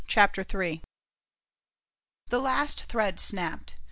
CHAPTER III THE last thread snapped.